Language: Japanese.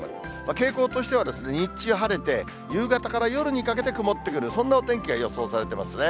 傾向としては、日中晴れて、夕方から夜にかけて曇ってくる、そんなお天気が予想されてますね。